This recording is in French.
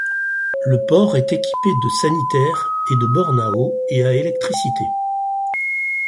Le port est équipé de sanitaires et de bornes à eau et à électricité.